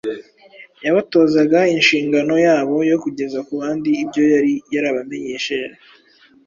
yabatozaga inshingano yabo yo kugeza ku bandi ibyo yari yarabamenyesheje.